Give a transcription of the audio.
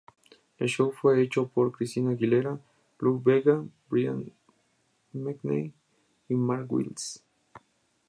El show fue hecho por Christina Aguilera, Lou Bega, Brian McKnight y Mark Wills.